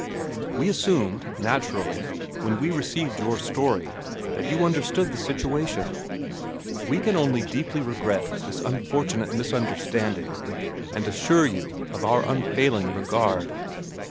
We assumed, naturally, when we received your story, that you understood the situation. We can only deeply regret this unfortunate misunderstanding, and assure you of our unfailing regard.